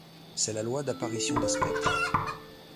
C’est la loi d’apparition des spectres.